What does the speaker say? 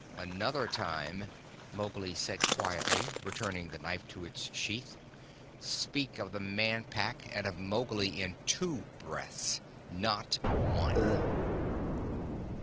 "Another time," Mowgli said quietly, returning the knife to its sheath, "speak of the Man Pack and of Mowgli in two breaths not one."